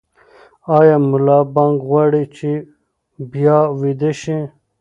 ایا ملا بانګ غواړي چې بیا ویده شي؟